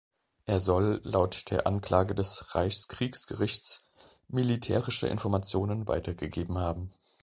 Er soll laut der Anklage des Reichskriegsgerichts militärische Informationen weitergegeben haben.